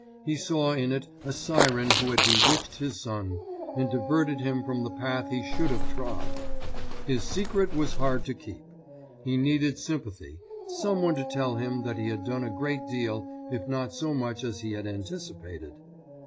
He saw in it a siren who had bewitched his son, and diverted him from the path he should have trod. His secret was hard to keep. He needed sympathy, someone to tell him that he had done a great deal if not so much as he had anticipated.